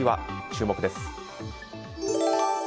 注目です。